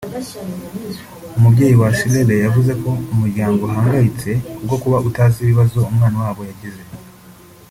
umubyeyi wa Shirlene yavuze ko umuryango uhangayitse ku bwo kuba utazi ibibazo umwana wabo yagize